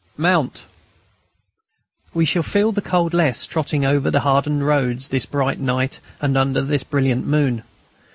Mount. We shall feel the cold less trotting over the hardened roads this bright night and under this brilliant moon.